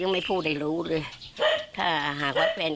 ก่อนที่เขาจะรมควันตัวเอง